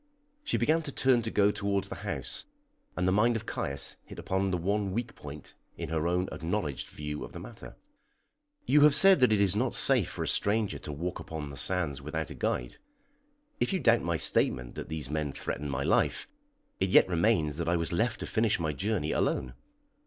She began to turn to go towards the house, and the mind of Caius hit upon the one weak point in her own acknowledged view of the matter. "You have said that it is not safe for a stranger to walk upon the sands without a guide; if you doubt my statement that these men threatened my life, it yet remains that I was left to finish my journey alone.